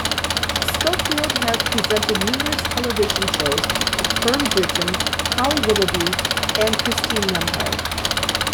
Schofield has co-presented numerous television shows with Fern Britton, Holly Willoughby and Christine Lampard.